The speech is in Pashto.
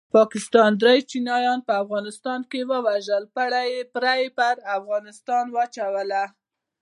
پاکستان دري چینایان په افغانستان کې ووژل پړه یې په افغانستان واچول